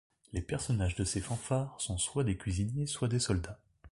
Les personnages de ces fanfares sont soit des cuisiniers, soit des soldats.